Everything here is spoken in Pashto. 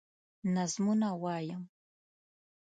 نظمونه وايم